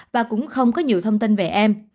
và cũng không có nhiều thông tin về em